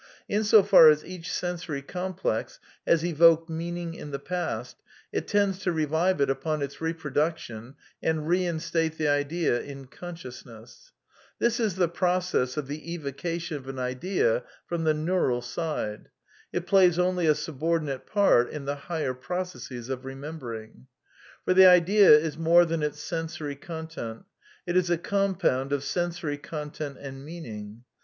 in so far as each sensory complex has evoked meaning in the past, it tends to revive it upon its reproduction and reinstate the idea in consciousness. This is the process of the evocation of an idea from the neural side. It plays only a subordinate part in the higher processes of remembering." For the idea is more than its sensory content; it is a " compound of sensory content and meaning."